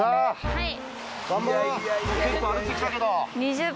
はい。